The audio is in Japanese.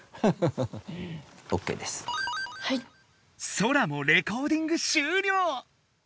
ソラもレコーディング終了！